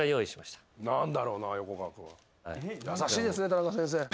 優しいですねタナカ先生。